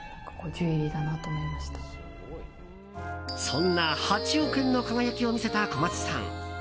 そんな８億円の輝きを見せた小松さん。